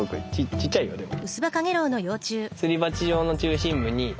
ちっちゃいよでも。